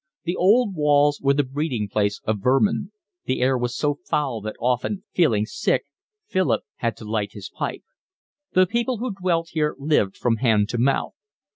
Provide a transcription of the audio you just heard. The old walls were the breeding place of vermin; the air was so foul that often, feeling sick, Philip had to light his pipe. The people who dwelt here lived from hand to mouth.